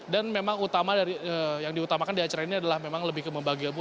dan memang yang diutamakan di acara ini adalah memang lebih ke membagi ilmu